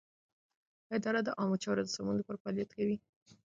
اداره د عامه چارو د سمون لپاره فعالیت کوي.